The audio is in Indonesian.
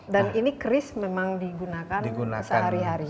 dan ini chris memang digunakan digunakan hari hari